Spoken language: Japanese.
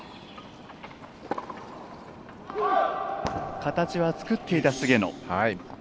形は作っていた菅野。